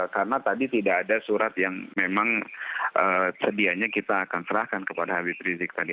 karena tadi tidak ada surat yang memang sedianya kita akan serahkan kepada habib rizik tadi